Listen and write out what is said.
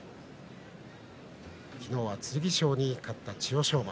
昨日は剣翔に勝った千代翔馬。